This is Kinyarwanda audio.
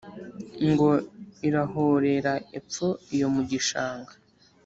Ngo : "Irarohera epfo iyo mu gishanga!